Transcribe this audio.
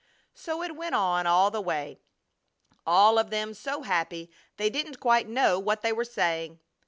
So it went on all the way, all of them so happy they didn't quite know what they were saying.